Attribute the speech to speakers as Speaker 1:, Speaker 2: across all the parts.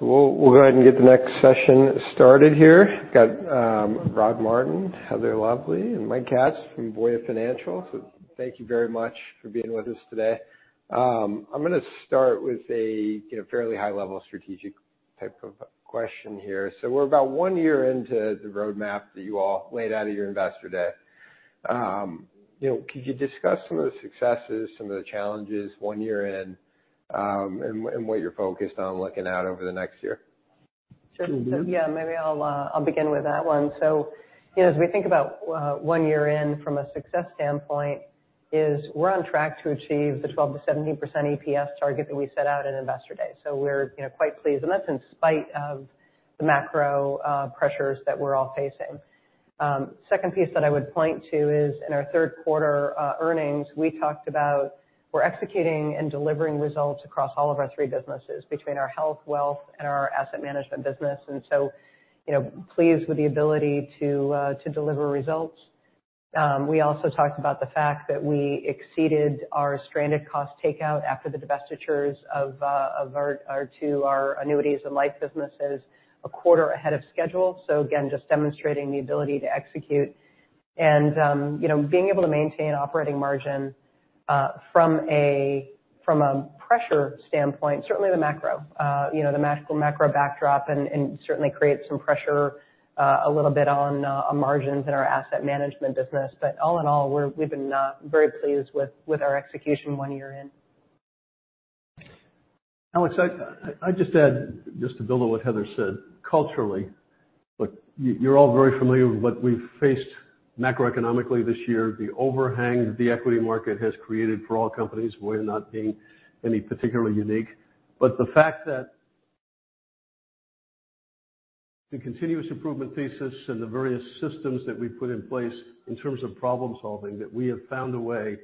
Speaker 1: We'll go ahead and get the next session started here. Got Rod Martin, Heather Lavallee, and Mike Katz from Voya Financial. Thank you very much for being with us today. I'm going to start with a fairly high-level strategic type of question here. We're about one year into the roadmap that you all laid out at your Investor Day. Could you discuss some of the successes, some of the challenges one year in, and what you're focused on looking out over the next year?
Speaker 2: Sure. Yeah, maybe I'll begin with that one. As we think about one year in from a success standpoint is we're on track to achieve the 12%-17% EPS target that we set out in Investor Day. We're quite pleased. That's in spite of the macro pressures that we're all facing. Second piece that I would point to is in our third quarter earnings, we talked about we're executing and delivering results across all of our three businesses, between our Health, Wealth, and our asset management business. Pleased with the ability to deliver results. We also talked about the fact that we exceeded our stranded cost takeout after the divestitures to our annuities and life businesses a quarter ahead of schedule. Again, just demonstrating the ability to execute. Being able to maintain operating margin from a pressure standpoint, certainly the macro backdrop and certainly creates some pressure a little bit on margins in our asset management business. All in all, we've been very pleased with our execution one year in.
Speaker 3: Alex, I'd just add, just to build on what Heather said, culturally, look, you're all very familiar with what we've faced macroeconomically this year, the overhang that the equity market has created for all companies, Voya not being any particularly unique. The fact that the continuous improvement thesis and the various systems that we've put in place in terms of problem-solving, that we have found a way,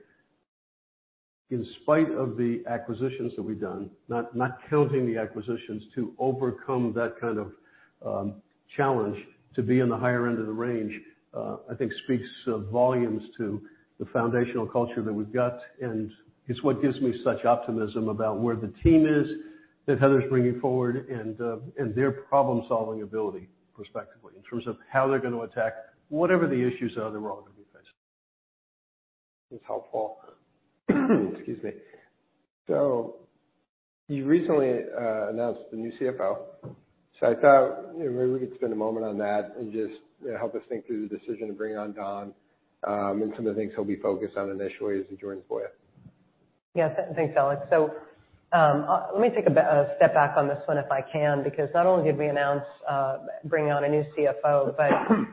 Speaker 3: in spite of the acquisitions that we've done, not counting the acquisitions, to overcome that kind of challenge to be in the higher end of the range, I think speaks volumes to the foundational culture that we've got, and it's what gives me such optimism about where the team is that Heather's bringing forward and their problem-solving ability perspectively in terms of how they're going to attack whatever the issues are that we're all going to be facing.
Speaker 1: That's helpful. Excuse me. You recently announced the new CFO. I thought maybe we could spend a moment on that and just help us think through the decision to bring on Don, and some of the things he'll be focused on initially as he joins Voya.
Speaker 2: Yeah. Thanks, Alex. Let me take a step back on this one if I can, because not only did we announce bringing on a new CFO, but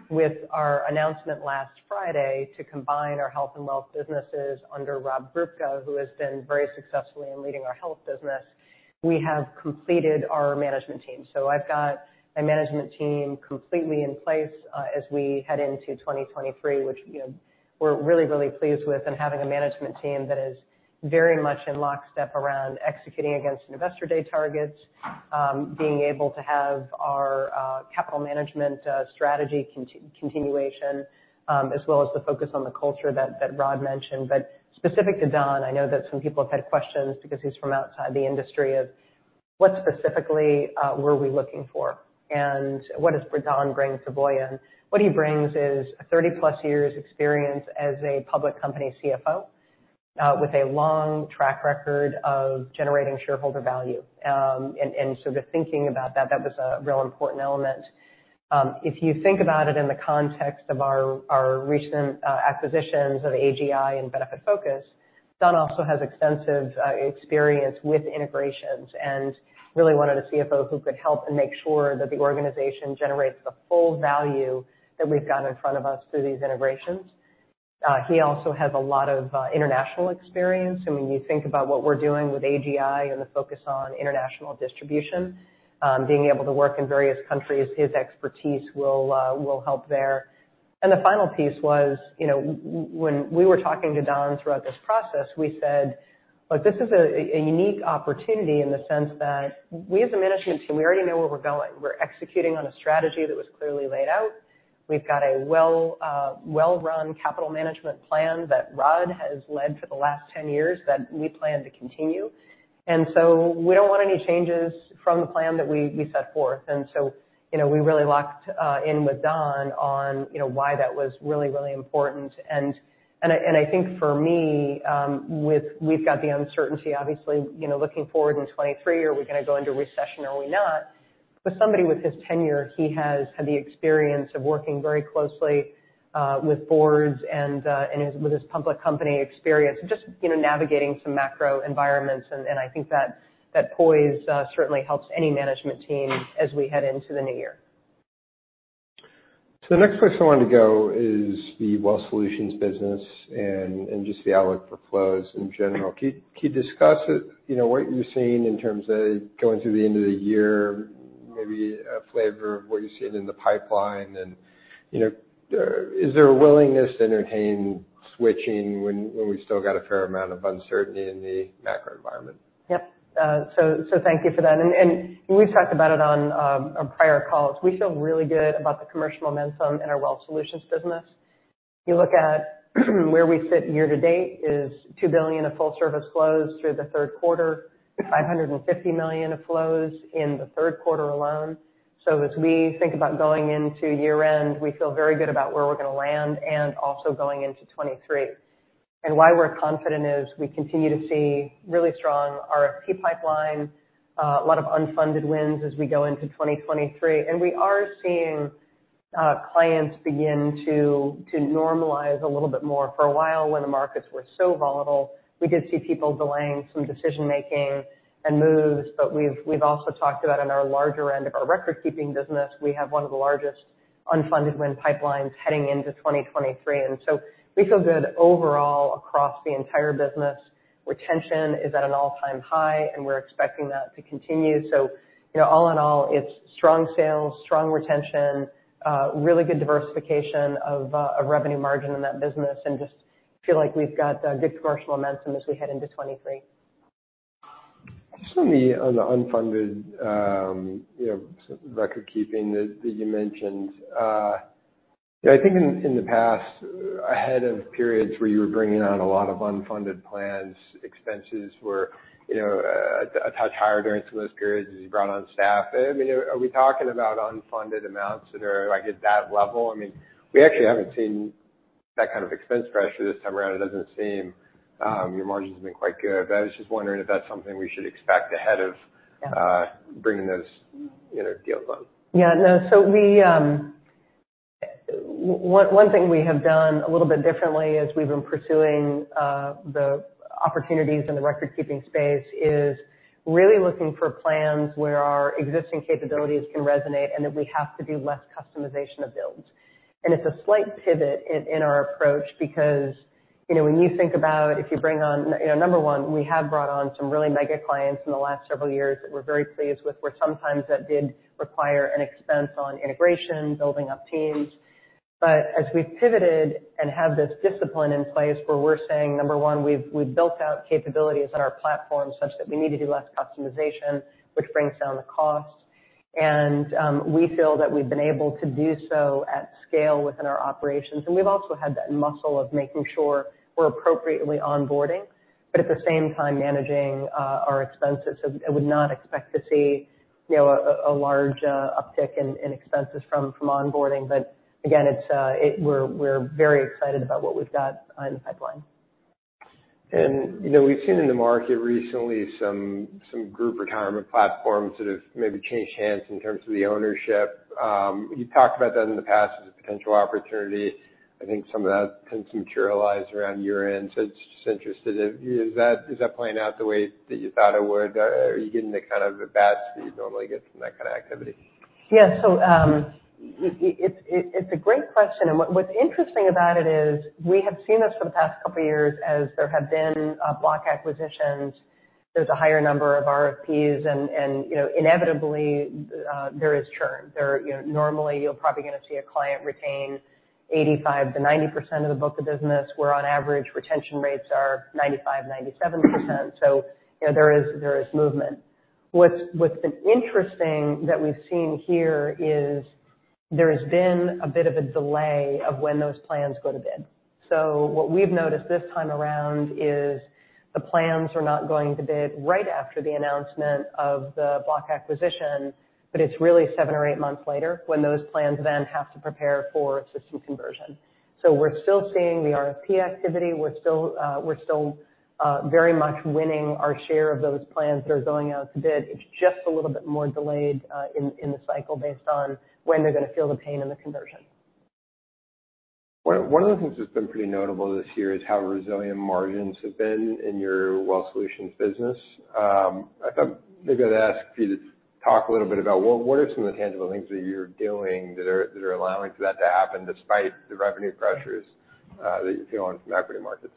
Speaker 2: with our announcement last Friday to combine our health and wealth businesses under Rob Grubka, who has been very successful in leading our health business, we have completed our management team. I've got a management team completely in place as we head into 2023, which we're really, really pleased with and having a management team that is very much in lockstep around executing against Investor Day targets, being able to have our capital management strategy continuation, as well as the focus on the culture that Rod mentioned. Specific to Don, I know that some people have had questions because he's from outside the industry of what specifically were we looking for, and what does Don bring to Voya? What he brings is a 30-plus years experience as a public company CFO with a long track record of generating shareholder value. The thinking about that was a real important element. If you think about it in the context of our recent acquisitions of AGI and Benefitfocus, Don also has extensive experience with integrations and really wanted a CFO who could help and make sure that the organization generates the full value that we've got in front of us through these integrations. He also has a lot of international experience. When you think about what we're doing with AGI and the focus on international distribution, being able to work in various countries, his expertise will help there. The final piece was when we were talking to Don throughout this process, we said, "Look, this is a unique opportunity in the sense that we as a management team, we already know where we're going. We're executing on a strategy that was clearly laid out. We've got a well-run capital management plan that Rod has led for the last 10 years that we plan to continue. We don't want any changes from the plan that we set forth." We really locked in with Don on why that was really, really important. I think for me, we've got the uncertainty, obviously, looking forward in 2023. Are we going to go into recession or are we not? Somebody with his tenure, he has had the experience of working very closely with boards and with his public company experience, just navigating some macro environments. I think that poise certainly helps any management team as we head into the new year.
Speaker 1: The next place I wanted to go is the Wealth Solutions business and just the outlook for flows in general. Can you discuss what you're seeing in terms of going through the end of the year, maybe a flavor of what you're seeing in the pipeline, and is there a willingness to entertain switching when we've still got a fair amount of uncertainty in the macro environment?
Speaker 2: Yep. Thank you for that. We've talked about it on prior calls. We feel really good about the commercial momentum in our Wealth Solutions business. You look at where we sit year to date is $2 billion of full service flows through the third quarter, $550 million of flows in the third quarter alone. As we think about going into year-end, we feel very good about where we're going to land and also going into 2023. Why we're confident is we continue to see really strong RFP pipeline, a lot of unfunded wins as we go into 2023. We are seeing clients begin to normalize a little bit more. For a while, when the markets were so volatile, we did see people delaying some decision-making and moves. We've also talked about on our larger end of our record-keeping business, we have one of the largest unfunded win pipelines heading into 2023. We feel good overall across the entire business. Retention is at an all-time high, and we're expecting that to continue. All in all, it's strong sales, strong retention, really good diversification of revenue margin in that business, and just feel like we've got good commercial momentum as we head into 2023.
Speaker 1: Just on the unfunded record-keeping that you mentioned. I think in the past, ahead of periods where you were bringing on a lot of unfunded plans, expenses were a touch higher during some of those periods as you brought on staff. Are we talking about unfunded amounts that are at that level? We actually haven't seen that kind of expense pressure this time around. It doesn't seem. Your margins have been quite good. I was just wondering if that's something we should expect ahead of-
Speaker 2: Yeah
Speaker 1: bringing those deals on.
Speaker 2: Yeah. No. One thing we have done a little bit differently as we've been pursuing the opportunities in the record-keeping space is really looking for plans where our existing capabilities can resonate and that we have to do less customization of builds. It's a slight pivot in our approach because when you think about if you bring on number one, we have brought on some really mega clients in the last several years that we're very pleased with, where sometimes that did require an expense on integration, building up teams. As we've pivoted and have this discipline in place, where we're saying, number one, we've built out capabilities on our platform such that we need to do less customization, which brings down the cost. We feel that we've been able to do so at scale within our operations. We've also had that muscle of making sure we're appropriately onboarding, but at the same time, managing our expenses. I would not expect to see a large uptick in expenses from onboarding. Again, we're very excited about what we've got on the pipeline.
Speaker 1: We've seen in the market recently some group retirement platforms that have maybe changed hands in terms of the ownership. You talked about that in the past as a potential opportunity. I think some of that has materialized around year-end. It's just interested. Is that playing out the way that you thought it would? Are you getting the kind of the batch that you'd normally get from that kind of activity?
Speaker 2: Yeah. It's a great question. What's interesting about it is we have seen this for the past couple of years as there have been block acquisitions. There's a higher number of RFPs and inevitably there is churn. Normally, you're probably going to see a client retain 85%-90% of the book of business, where on average, retention rates are 95%-97%. There is movement. What's been interesting that we've seen here is there has been a bit of a delay of when those plans go to bid. What we've noticed this time around is the plans are not going to bid right after the announcement of the block acquisition, but it's really seven or eight months later when those plans then have to prepare for system conversion. We're still seeing the RFP activity. We're still very much winning our share of those plans that are going out to bid. It's just a little bit more delayed in the cycle based on when they're going to feel the pain in the conversion.
Speaker 1: One of the things that's been pretty notable this year is how resilient margins have been in your Wealth Solutions business. I thought maybe I'd ask you to talk a little bit about, well, what are some of the tangible things that you're doing that are allowing for that to happen despite the revenue pressures that you're feeling from equity markets?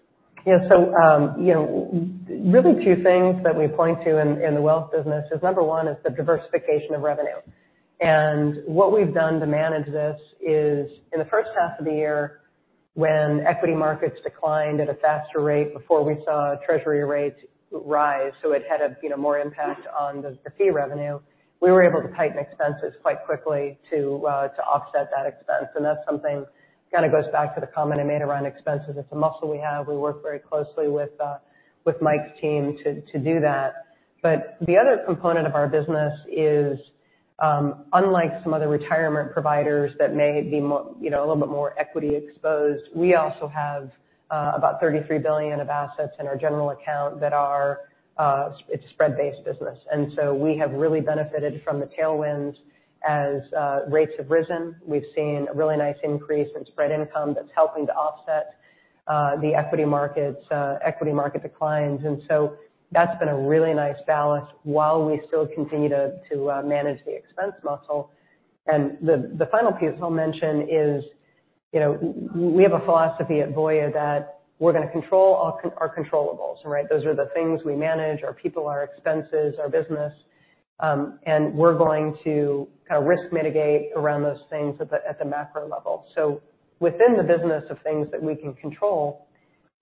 Speaker 2: Yeah. Really two things that we point to in the wealth business is, number 1, is the diversification of revenue. What we've done to manage this is in the first half of the year, when equity markets declined at a faster rate before we saw treasury rates rise, so it had more impact on the fee revenue, we were able to tighten expenses quite quickly to offset that expense. That's something that kind of goes back to the comment I made around expenses. It's a muscle we have. We work very closely with Mike's team to do that. The other component of our business is, unlike some other retirement providers that may be a little bit more equity exposed, we also have about $33 billion of assets in our general account that are spread-based business. We have really benefited from the tailwinds as rates have risen. We've seen a really nice increase in spread income that's helping to offset the equity market declines. That's been a really nice balance while we still continue to manage the expense muscle. The final piece I'll mention is we have a philosophy at Voya that we're going to control our controllables, right? Those are the things we manage, our people, our expenses, our business. We're going to risk mitigate around those things at the macro level. Within the business of things that we can control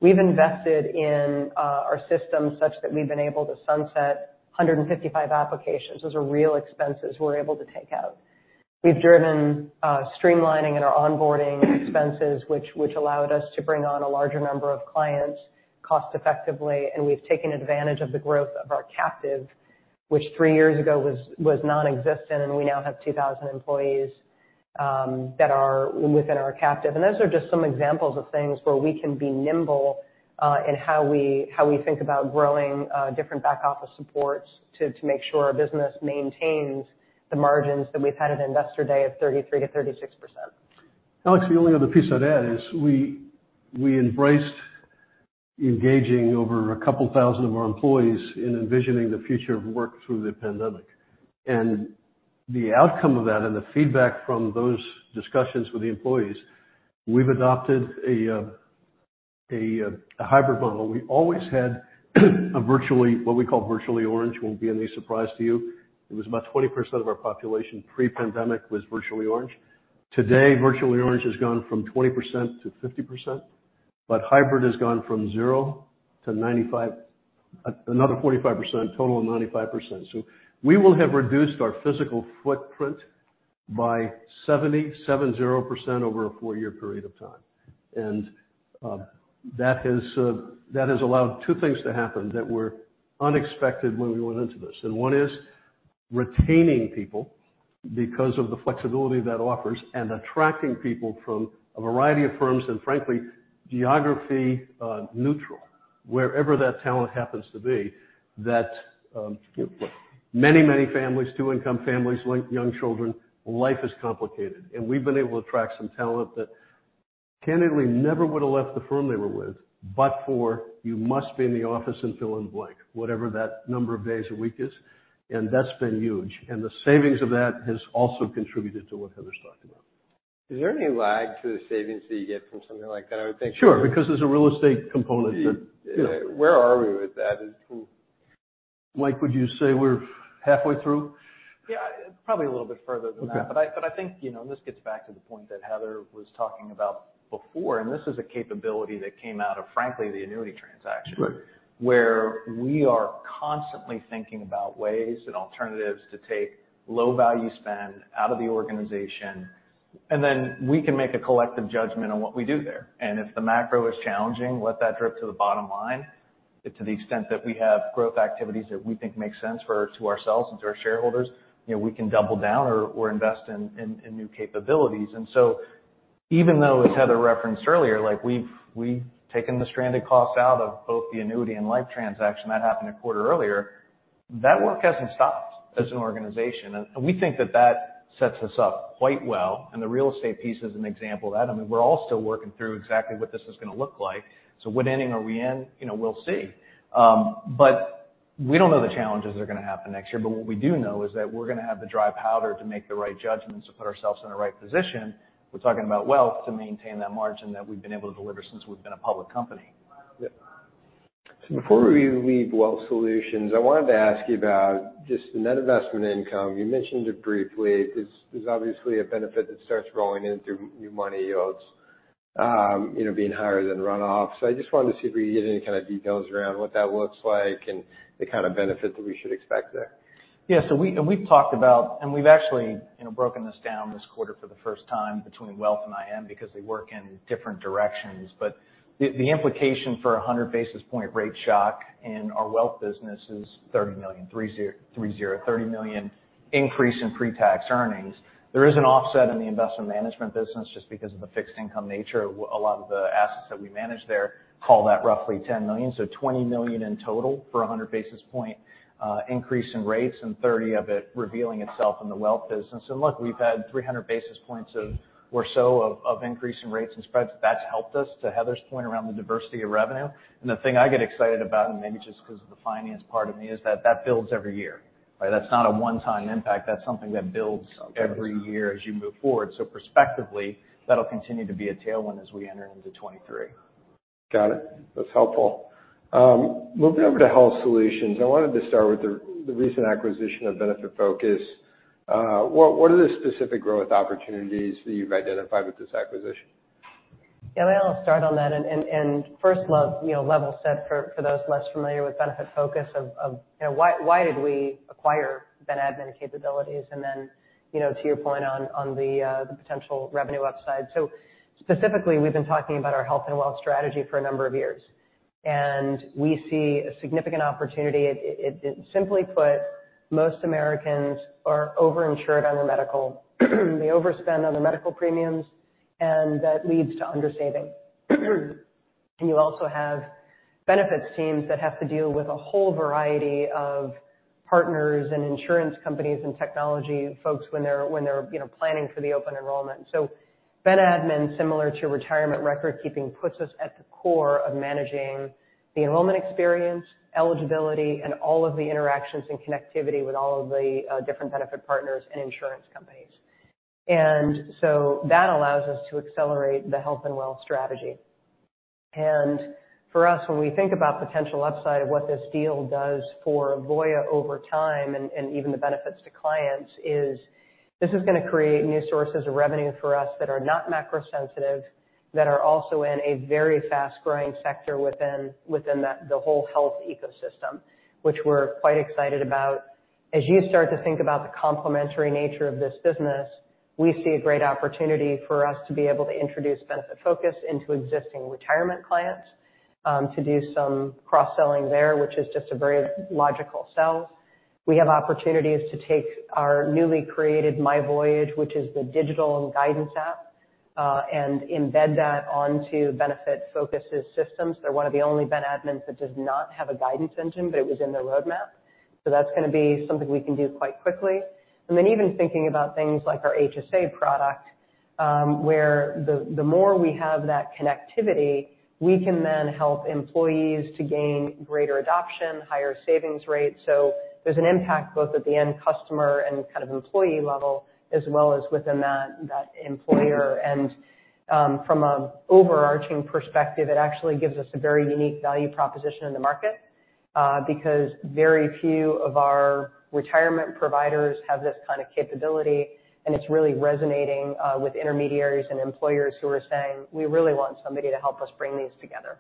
Speaker 2: We've invested in our systems such that we've been able to sunset 155 applications. Those are real expenses we're able to take out. We've driven streamlining in our onboarding expenses, which allowed us to bring on a larger number of clients cost effectively. We've taken advantage of the growth of our captive, which three years ago was nonexistent, and we now have 2,000 employees that are within our captive. Those are just some examples of things where we can be nimble in how we think about growing different back office supports to make sure our business maintains the margins that we've had at Investor Day of 33%-36%.
Speaker 3: Alex, the only other piece I'd add is we embraced engaging over a couple thousand of our employees in envisioning the future of work through the pandemic. The outcome of that and the feedback from those discussions with the employees, we've adopted a hybrid model. We always had what we call Virtually Orange. It won't be any surprise to you. It was about 20% of our population pre-pandemic was Virtually Orange. Today, Virtually Orange has gone from 20%-50%, but hybrid has gone from zero to another 45%, a total of 95%. We will have reduced our physical footprint by 70% over a four-year period of time. That has allowed two things to happen that were unexpected when we went into this. One is retaining people because of the flexibility that offers and attracting people from a variety of firms and frankly, geography neutral, wherever that talent happens to be. That many families, two income families, young children, life is complicated. We've been able to attract some talent that candidly never would've left the firm they were with but for you must be in the office and fill in blank, whatever that number of days a week is. That's been huge. The savings of that has also contributed to what Heather's talking about.
Speaker 1: Is there any lag to the savings that you get from something like that?
Speaker 3: Sure, because there's a real estate component.
Speaker 1: Where are we with that?
Speaker 3: Mike, would you say we're halfway through?
Speaker 4: Yeah, probably a little bit further than that.
Speaker 3: Okay.
Speaker 4: I think this gets back to the point that Heather was talking about before, and this is a capability that came out of, frankly, the annuity transaction.
Speaker 3: Right.
Speaker 4: Where we are constantly thinking about ways and alternatives to take low value spend out of the organization, and then we can make a collective judgment on what we do there. If the macro is challenging, let that drip to the bottom line to the extent that we have growth activities that we think make sense to ourselves and to our shareholders. We can double down or invest in new capabilities. Even though, as Heather referenced earlier, we've taken the stranded cost out of both the annuity and life transaction. That happened a quarter earlier. That work hasn't stopped as an organization. We think that that sets us up quite well. The real estate piece is an example of that. We're all still working through exactly what this is going to look like. So what inning are we in? We'll see. We don't know the challenges that are going to happen next year, but what we do know is that we're going to have the dry powder to make the right judgments to put ourselves in the right position. We're talking about Wealth to maintain that margin that we've been able to deliver since we've been a public company.
Speaker 3: Yeah.
Speaker 1: Before we leave Wealth Solutions, I wanted to ask you about just the net investment income. You mentioned it briefly. There's obviously a benefit that starts rolling in through new money yields being higher than runoff. I just wanted to see if we could get any kind of details around what that looks like and the kind of benefit that we should expect there.
Speaker 4: We've talked about, and we've actually broken this down this quarter for the first time between Wealth and IM because they work in different directions. The implication for 100 basis point rate shock in our Wealth business is $30 million increase in pre-tax earnings. There is an offset in the Investment Management business just because of the fixed income nature of a lot of the assets that we manage there. Call that roughly $10 million. $20 million in total for 100 basis point increase in rates, and $30 of it revealing itself in the Wealth business. Look, we've had 300 basis points or so of increase in rates and spreads. That's helped us, to Heather's point around the diversity of revenue. The thing I get excited about, and maybe just because of the finance part of me, is that that builds every year, right? That's not a one-time impact. That's something that builds every year as you move forward. Prospectively, that'll continue to be a tailwind as we enter into 2023.
Speaker 1: Got it. That's helpful. Moving over to Health Solutions, I wanted to start with the recent acquisition of Benefitfocus. What are the specific growth opportunities that you've identified with this acquisition?
Speaker 2: Yeah, I'll start on that. First level set for those less familiar with Benefitfocus of why did we acquire Ben Admin capabilities? Then to your point on the potential revenue upside. Specifically, we've been talking about our health and wealth strategy for a number of years, and we see a significant opportunity. Simply put, most Americans are over-insured on their medical. They overspend on their medical premiums, and that leads to under-saving. You also have benefits teams that have to deal with a whole variety of partners and insurance companies and technology folks when they're planning for the open enrollment. Ben Admin, similar to retirement record keeping, puts us at the core of managing the enrollment experience, eligibility, and all of the interactions and connectivity with all of the different benefit partners and insurance companies. That allows us to accelerate the health and wealth strategy. For us, when we think about potential upside of what this deal does for Voya over time and even the benefits to clients is this is going to create new sources of revenue for us that are not macro sensitive, that are also in a very fast-growing sector within the whole health ecosystem, which we're quite excited about. As you start to think about the complementary nature of this business, we see a great opportunity for us to be able to introduce Benefitfocus into existing retirement clients, to do some cross-selling there, which is just a very logical sell. We have opportunities to take our newly created myVoyage, which is the digital and guidance app, and embed that onto Benefitfocus' systems. They're one of the only ben admins that does not have a guidance engine, but it was in their roadmap. That's going to be something we can do quite quickly. Even thinking about things like our HSA product, where the more we have that connectivity, we can then help employees to gain greater adoption, higher savings rates. There's an impact both at the end customer and kind of employee level as well as within that employer. From an overarching perspective, it actually gives us a very unique value proposition in the market, because very few of our retirement providers have this kind of capability, and it's really resonating with intermediaries and employers who are saying, "We really want somebody to help us bring these together.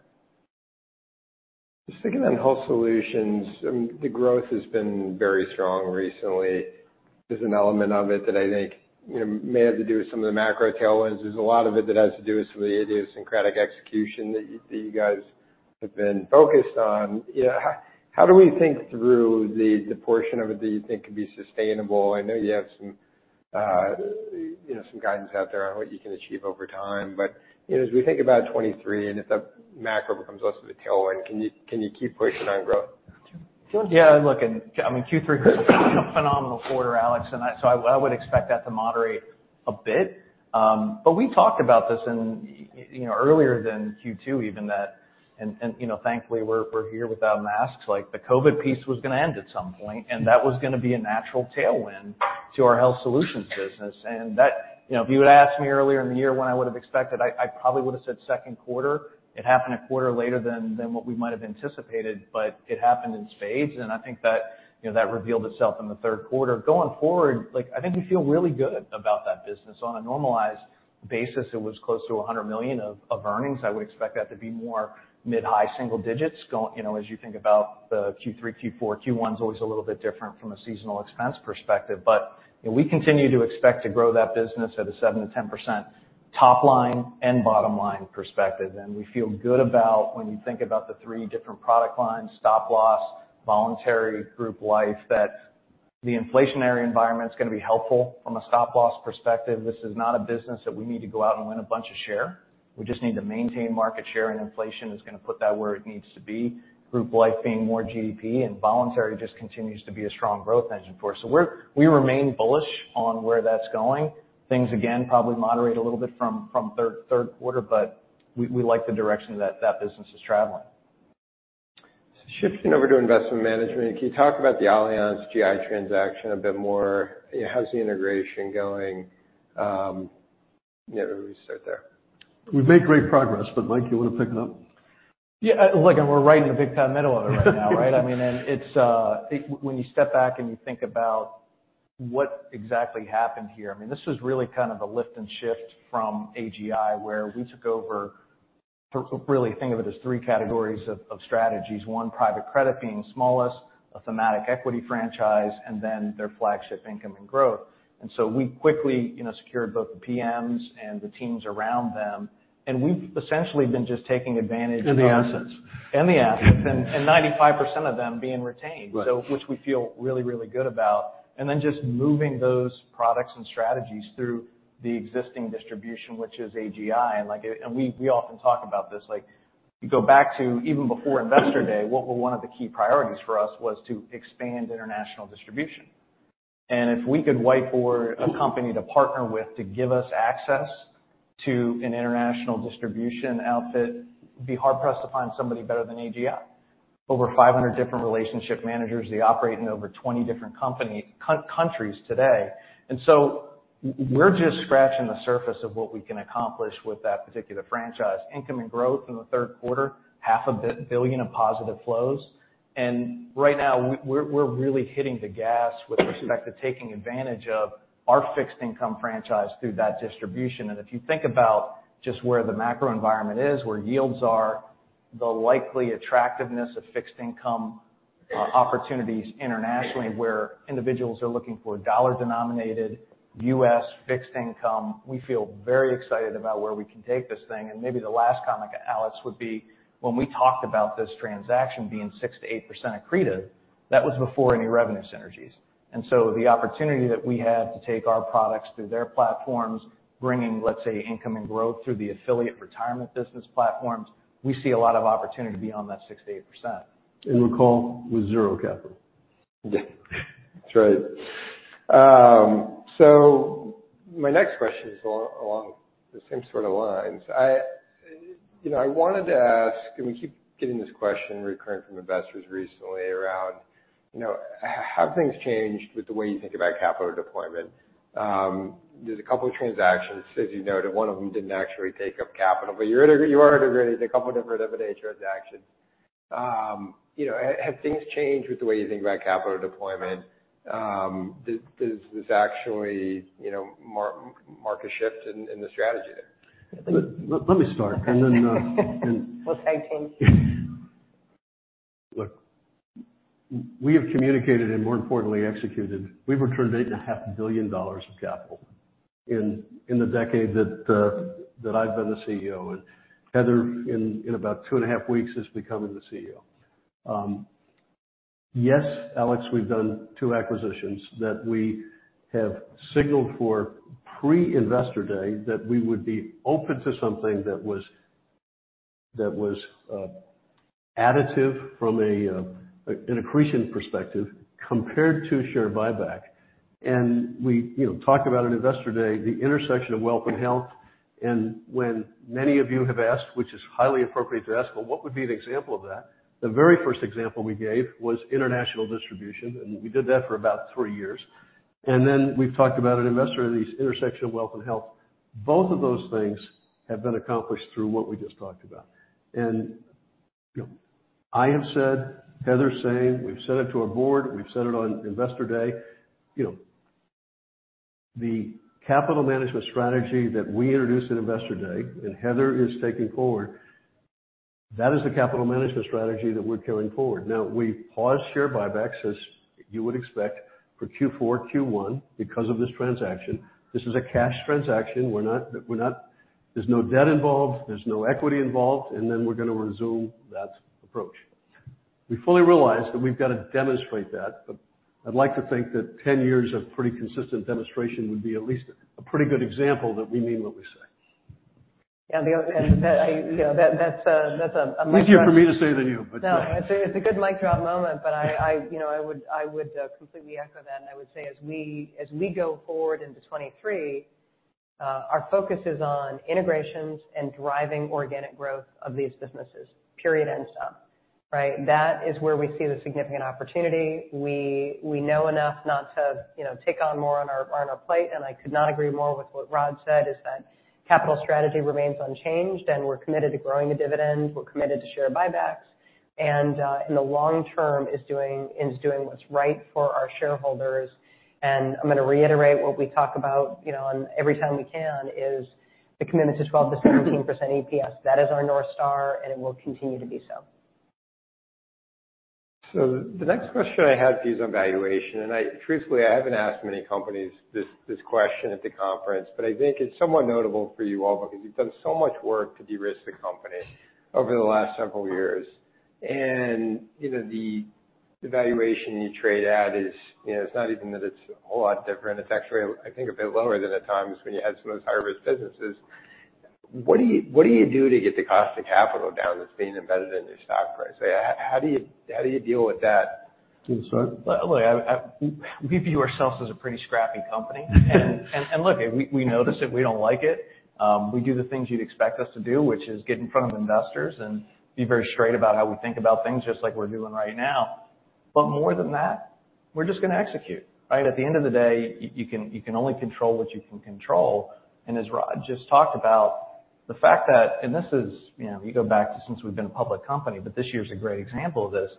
Speaker 1: Just thinking on Health Solutions, the growth has been very strong recently. There's an element of it that I think may have to do with some of the macro tailwinds. There's a lot of it that has to do with some of the idiosyncratic execution that you guys have been focused on. How do we think through the portion of it that you think could be sustainable? I know you have some guidance out there on what you can achieve over time, but as we think about 2023, if the macro becomes less of a tailwind, can you keep pushing on growth?
Speaker 4: Yeah, look, Q3 was a phenomenal quarter, Alex. So I would expect that to moderate a bit. We talked about this earlier than Q2 even that, thankfully we're here without masks, like the COVID piece was going to end at some point, that was going to be a natural tailwind to our Health Solutions business. If you would've asked me earlier in the year when I would've expected, I probably would've said second quarter. It happened a quarter later than what we might have anticipated, but it happened in spades, I think that revealed itself in the third quarter. Going forward, I think we feel really good about that business. On a normalized basis, it was close to $100 million of earnings. I would expect that to be more mid-high single digits as you think about the Q3, Q4. Q1 is always a little bit different from a seasonal expense perspective. We continue to expect to grow that business at a 7%-10% top line and bottom-line perspective. We feel good about when you think about the three different product lines, Stop Loss, voluntary group life, that the inflationary environment is going to be helpful from a Stop Loss perspective. This is not a business that we need to go out and win a bunch of share. We just need to maintain market share, inflation is going to put that where it needs to be. Group life being more GDP, voluntary just continues to be a strong growth engine for us. We remain bullish on where that is going. Things again, probably moderate a little bit from third quarter, we like the direction that business is traveling.
Speaker 1: Shifting over to investment management, can you talk about the Allianz GI transaction a bit more? How is the integration going? Yeah, let me start there.
Speaker 2: We've made great progress, Mike, you want to pick it up?
Speaker 4: Yeah. Look, we're right in the big time middle of it right now, right? When you step back and you think about what exactly happened here, this was really kind of a lift and shift from AGI where we took over, really think of it as 3 categories of strategies. 1, private credit being smallest, a thematic equity franchise, and then their flagship Income and Growth.
Speaker 2: The assets.
Speaker 4: The assets, and 95% of them being retained.
Speaker 2: Right.
Speaker 4: Which we feel really, really good about. Just moving those products and strategies through the existing distribution, which is AGI. We often talk about this, like if you go back to even before Investor Day, one of the key priorities for us was to expand international distribution. If we could whiteboard a company to partner with to give us access to an international distribution outfit, you'd be hard pressed to find somebody better than AGI. Over 500 different relationship managers. They operate in over 20 different countries today. We're just scratching the surface of what we can accomplish with that particular franchise. Income and Growth in the third quarter, half a billion of positive flows. Right now, we're really hitting the gas with respect to taking advantage of our fixed income franchise through that distribution. If you think about just where the macro environment is, where yields are, the likely attractiveness of fixed income opportunities internationally, where individuals are looking for dollar-denominated, U.S. fixed income, we feel very excited about where we can take this thing. Maybe the last comment, Alex, would be when we talked about this transaction being 6%-8% accretive, that was before any revenue synergies. The opportunity that we have to take our products through their platforms, bringing, let's say, income and growth through the affiliate retirement business platforms, we see a lot of opportunity beyond that 6%-8%.
Speaker 2: Recall with zero capital.
Speaker 4: Yeah.
Speaker 1: That's right. My next question is along the same sort of lines. I wanted to ask, we keep getting this question recurring from investors recently around Have things changed with the way you think about capital deployment? There's a couple of transactions, as you noted. One of them didn't actually take up capital, but you integrated a couple of different M&A transactions. Have things changed with the way you think about capital deployment? Does this actually mark a shift in the strategy there?
Speaker 3: Let me start.
Speaker 2: We'll tag team.
Speaker 3: Look, we have communicated and more importantly executed. We've returned $8.5 billion of capital in the decade that I've been the CEO, Heather in about two and a half weeks is becoming the CEO. Yes, Alex, we've done two acquisitions that we have signaled for pre-Investor Day that we would be open to something that was additive from an accretion perspective compared to share buyback. We talked about at Investor Day, the intersection of wealth and health, and when many of you have asked, which is highly appropriate to ask, "Well, what would be an example of that?" The very first example we gave was international distribution, and we did that for about three years. We've talked about at Investor Day, this intersection of wealth and health. Both of those things have been accomplished through what we just talked about. I have said, Heather's saying, we've said it to our board, we've said it on Investor Day. The capital management strategy that we introduced at Investor Day, Heather is taking forward, that is the capital management strategy that we're carrying forward. Now, we paused share buybacks, as you would expect, for Q4, Q1 because of this transaction. This is a cash transaction. There's no debt involved, there's no equity involved, we're going to resume that approach. We fully realize that we've got to demonstrate that, but I'd like to think that 10 years of pretty consistent demonstration would be at least a pretty good example that we mean what we say.
Speaker 2: Yeah. That's a mic drop.
Speaker 3: Easier for me to say than you, but yeah.
Speaker 2: It's a good mic drop moment. I would completely echo that. I would say as we go forward into 2023, our focus is on integrations and driving organic growth of these businesses, period, end of sentence. That is where we see the significant opportunity. We know enough not to take on more on our plate. I could not agree more with what Rod said, is that capital strategy remains unchanged. We're committed to growing the dividends. We're committed to share buybacks. In the long term is doing what's right for our shareholders. I'm going to reiterate what we talk about every time we can is the commitment to 12%-17% EPS. That is our North Star. It will continue to do so.
Speaker 1: The next question I had for you is on valuation. Truthfully, I haven't asked many companies this question at the conference. I think it's somewhat notable for you all because you've done so much work to de-risk the company over the last several years. The valuation you trade at is, it's not even that it's a whole lot different. It's actually, I think, a bit lower than at times when you had some of those high-risk businesses. What do you do to get the cost of capital down that's being embedded in your stock price? How do you deal with that?
Speaker 3: Do you want to start?
Speaker 4: Look, we view ourselves as a pretty scrappy company. Look, we notice it. We don't like it. We do the things you'd expect us to do, which is get in front of investors and be very straight about how we think about things, just like we're doing right now. More than that, we're just going to execute. At the end of the day, you can only control what you can control. As Rod just talked about, the fact that, and you go back to since we've been a public company, this year is a great example of this.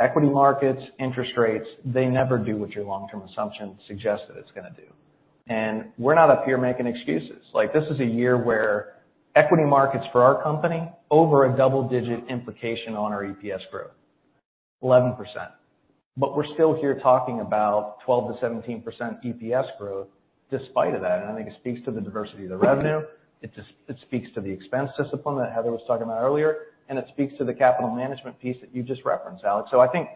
Speaker 4: Equity markets, interest rates, they never do what your long-term assumption suggests that it's going to do. We're not up here making excuses. This is a year where equity markets for our company, over a double-digit implication on our EPS growth, 11%. We're still here talking about 12%-17% EPS growth despite of that. I think it speaks to the diversity of the revenue. It speaks to the expense discipline that Heather was talking about earlier, and it speaks to the capital management piece that you just referenced, Alex. I think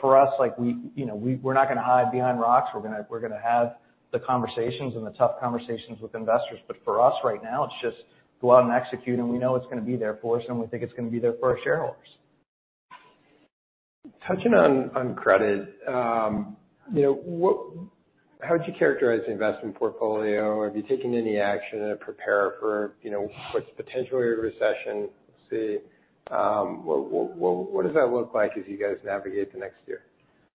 Speaker 4: for us, we're not going to hide behind rocks. We're going to have the conversations and the tough conversations with investors. For us right now, it's just go out and execute, and we know it's going to be there for us, and we think it's going to be there for our shareholders.
Speaker 1: Touching on credit. How would you characterize the investment portfolio? Have you taken any action to prepare for what's potentially a recession? What does that look like as you guys navigate the next year?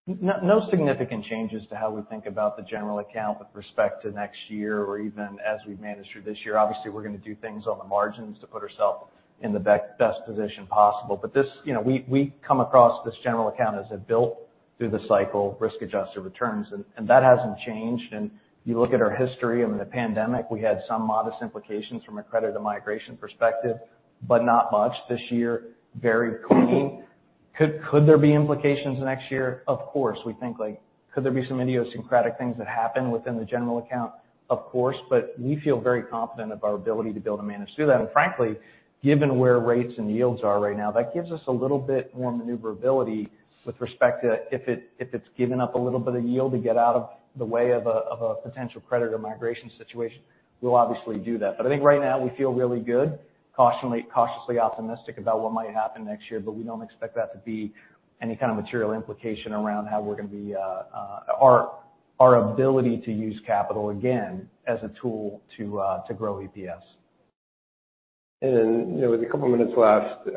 Speaker 4: No significant changes to how we think about the general account with respect to next year or even as we've managed through this year. Obviously, we're going to do things on the margins to put ourselves in the best position possible. We come across this general account as a built-through-the-cycle risk-adjusted returns, and that hasn't changed. You look at our history in the pandemic, we had some modest implications from a credit to migration perspective, but not much. This year, very clean. Could there be implications next year? Of course. We think like, could there be some idiosyncratic things that happen within the general account? Of course. We feel very confident of our ability to be able to manage through that. Frankly, given where rates and yields are right now, that gives us a little bit more maneuverability with respect to if it's giving up a little bit of yield to get out of the way of a potential credit or migration situation. We'll obviously do that. I think right now we feel really good, cautiously optimistic about what might happen next year, but we don't expect that to be any kind of material implication around how our ability to use capital, again, as a tool to grow EPS.
Speaker 1: With a couple minutes left,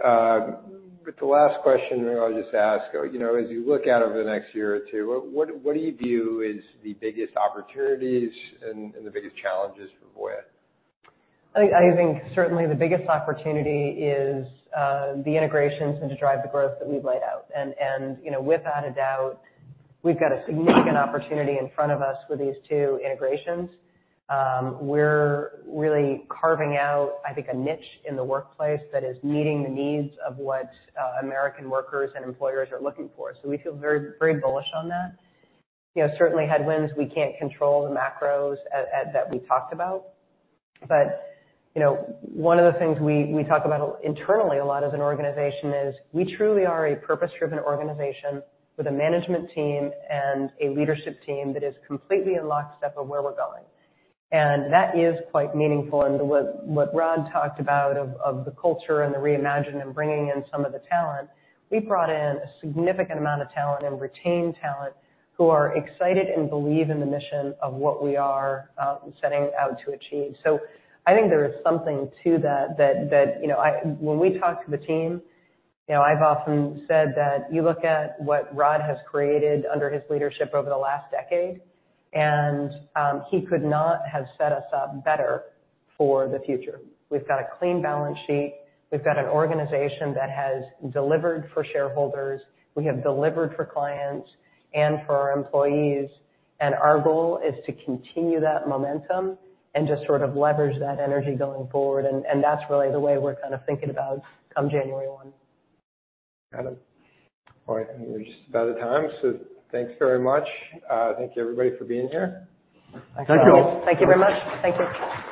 Speaker 1: with the last question, I'll just ask, as you look out over the next year or two, what do you view is the biggest opportunities and the biggest challenges for Voya?
Speaker 2: I think certainly the biggest opportunity is the integrations and to drive the growth that we've laid out. Without a doubt, we've got a significant opportunity in front of us with these two integrations. We're really carving out, I think, a niche in the workplace that is meeting the needs of what American workers and employers are looking for. We feel very bullish on that. Certainly headwinds, we can't control the macros that we talked about. One of the things we talk about internally a lot as an organization is we truly are a purpose-driven organization with a management team and a leadership team that is completely in lockstep of where we're going. That is quite meaningful. What Rod talked about of the culture and the reimagine and bringing in some of the talent, we brought in a significant amount of talent and retained talent who are excited and believe in the mission of what we are setting out to achieve. I think there is something to that when we talk to the team, I've often said that you look at what Rod has created under his leadership over the last decade, he could not have set us up better for the future. We've got a clean balance sheet. We've got an organization that has delivered for shareholders. We have delivered for clients and for our employees, our goal is to continue that momentum and just sort of leverage that energy going forward. That's really the way we're kind of thinking about come January 1.
Speaker 1: Got it. All right, I think we're just about at time, thanks very much. Thank you everybody for being here.
Speaker 3: Thank you all.
Speaker 2: Thank you very much. Thank you.